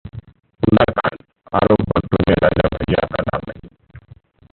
कुंडा कांड: आरोप पत्र में राजा भैया का नाम नहीं